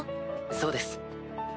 そうです。